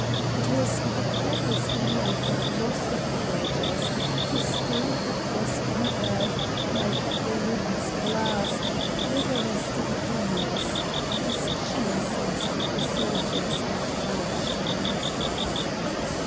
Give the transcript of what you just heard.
It was the purpose in life of most of the Voyagers to storm across the earth ' Hke the wind's blast, never resting homeless,' as Schiller says of the soldiers of Wallenstein.